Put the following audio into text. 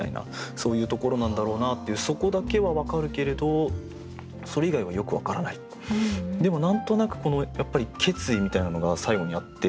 そういうところなんだろうなっていうそこだけはわかるけれどでも何となくやっぱり決意みたいなのが最後にあって。